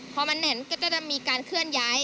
พอมันแห่นก็จะมีการเคลื่อนย้าย